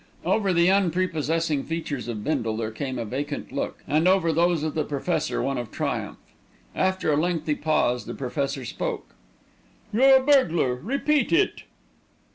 Over the unprepossessing features of Bindle there came a vacant look, and over those of the Professor one of triumph. After a lengthy pause the Professor spoke. "You are a burglar. Repeat it."